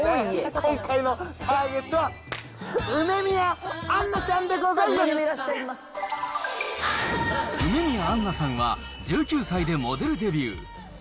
今回のターゲットは、梅宮アンナさんは、１９歳でモデルデビュー。